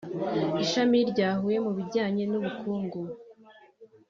Ishami rya Huye mu bijyanye n’ubukungu